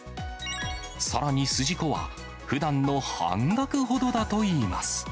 さらに、筋子はふだんの半額ほどだといいます。